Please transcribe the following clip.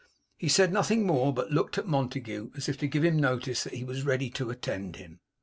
He said nothing more; but looked at Montague as if to give him notice that he was ready to attend him.